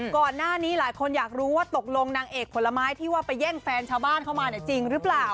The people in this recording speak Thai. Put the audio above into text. ก่อนหน้านี้หลายคนอยากรู้ว่าตกลงนางเอกผลไม้ที่ว่าไปแย่งแฟนชาวบ้านเข้ามาเนี่ยจริงหรือเปล่า